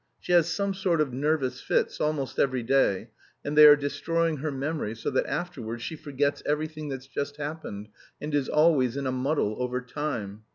She has some sort of nervous fits, almost every day, and they are destroying her memory so that afterwards she forgets everything that's just happened, and is always in a muddle over time.